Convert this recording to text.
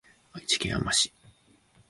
愛知県あま市